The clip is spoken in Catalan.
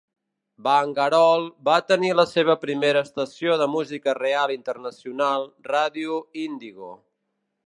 Bangalore va tenir la seva primera estació de música real internacional, Ràdio Indigo.